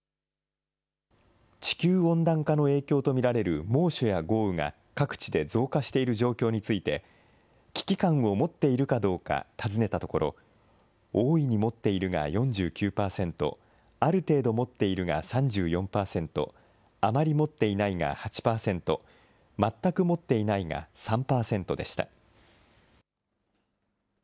地球温暖化の影響と見られる猛暑や豪雨が各地で増加している状況について、危機感を持っているかどうか尋ねたところ、大いに持っているが４９％、ある程度持っているが３４％、あまり持っていないが８％、全く持っていないが３％でした。